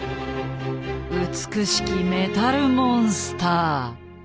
美しきメタルモンスター。